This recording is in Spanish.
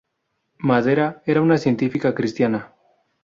Madera, era una Científica cristiana.